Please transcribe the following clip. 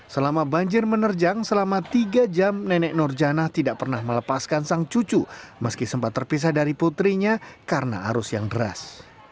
selama banjir menerjang selama tiga jam nenek nur janah tidak pernah melepaskan sang cucu meski sempat terpisah dari putrinya karena arus yang deras